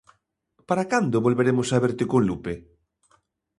Para cando volveremos a verte con Lupe?